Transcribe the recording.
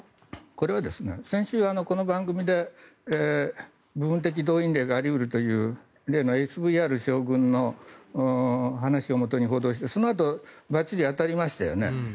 これは先週、この番組で部分動員令があり得るという例のＳＶＲ将軍の話をもとに報道してそのあとばっちり当たりましたよね。